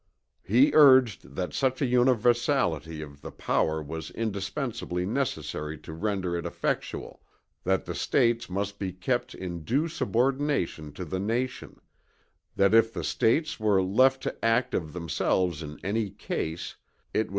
He urged that such a universality of the power was indispensably necessary to render it effectual; that the States must be kept in due subordination to the nation; that if the States were left to act of themselves in any case, it wd.